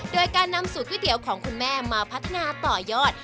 โดยการนำสูตรก๋วยเตี๋ยวของคุณแม่มาพัฒนาต่อยอด